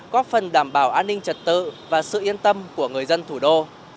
có phần đảm bảo an ninh trật tự và sự yên tâm của người dân thủ đô